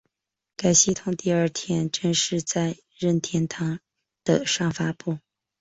该系统第二天正式在任天堂的上发布。